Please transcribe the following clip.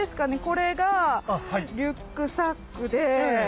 これがリュックサックで。